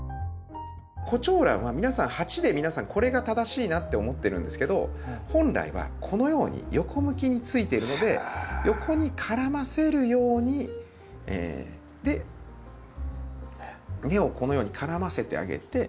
コチョウランは皆さん鉢でこれが正しいなって思ってるんですけど本来はこのように横向きについてるので横に絡ませるように根をこのように絡ませてあげて。